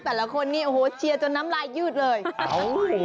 แต่ละคนนี้โอ้โฮเชียวจนน้ำลายยืดเลย